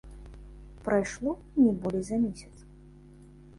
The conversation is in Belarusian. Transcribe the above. Прайшло не болей за месяц.